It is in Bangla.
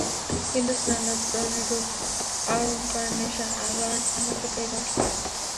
কিন্তু স্নানরতা তরুণীর রূপ আহরণ করার নেশা আবার আমাকে পেয়ে বসল।